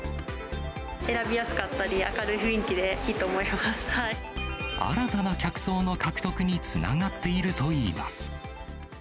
選びやすかったり、新たな客層の獲得につながっているといいます。